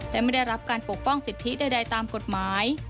และไม่ได้รับการปกป้องสิทธิใดตามกฎหมาย